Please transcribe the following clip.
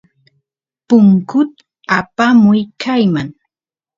punkut apamuy kayman